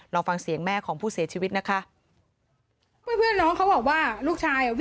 ลองฟังเสียงแม่ของผู้เสียชีวิตนะคะ